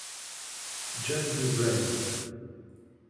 John B. Brady.